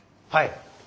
はい。